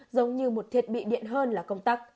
giống như một thiết bị điện hơn là công tắc